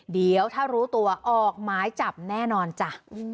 เดี๋ยวถ้ารู้ตัวออกหมายจับแน่นอนจ้ะ